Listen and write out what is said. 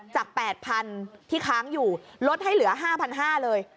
จาก๘๐๐๐ที่ค้างอยู่ลดให้เหลือ๕๕๐๐เลย